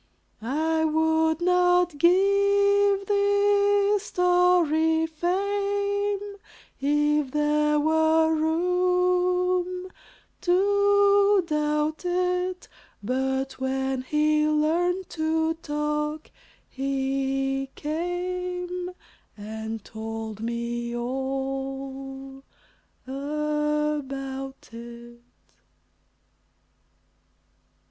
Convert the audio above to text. I would not give this story fame If there were room to doubt it, But when he learned to talk, he came And told me all about it.